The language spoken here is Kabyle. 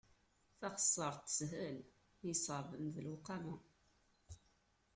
Taxessaṛt teshel, i yeṣṣeɛben d lewqama.